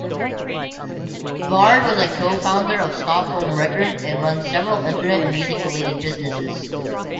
Bard was a co-founder of Stockholm Records and runs several internet and music-related businesses.